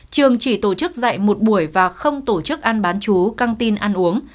trường chỉ tổ chức dạy một buổi và không tổ chức ăn bán chú căng tin ăn uống